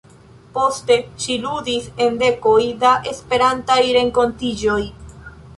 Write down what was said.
Poste ŝi ludis en dekoj da Esperantaj renkontiĝoj.